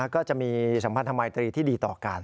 ก็จะมีสัมภัณฑ์ธรรมไทยที่ดีต่อกัน